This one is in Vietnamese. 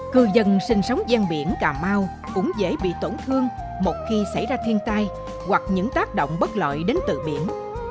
cư dân sinh sống gian biển cà mau cũng dễ bị tổn thương một khi xảy ra thiên tai hoặc những tác động bất lợi đến từ biển